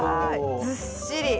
ずっしり。